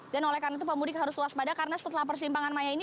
dan oleh karena itu pemudik harus waspada karena setelah persimpangan maya ini